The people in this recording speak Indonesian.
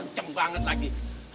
penceng banget lagi